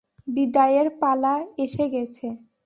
বিদায়ের পালা এসে গেছে।